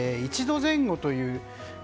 １度前後という。